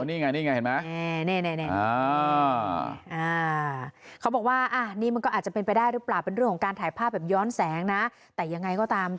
นี่ไงนี่ไงเห็นไหม